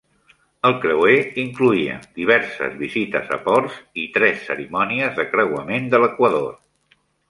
El creuer incloïa diverses visites a ports i tres cerimònies de creuament de l'equador.